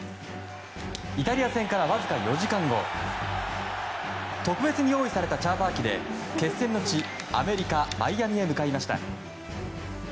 イタリア戦からわずか４時間後特別に用意されたチャーター機で決戦の地、アメリカ・マイアミへ向かいました。